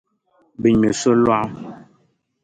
Bɛ ŋme solɔɣu.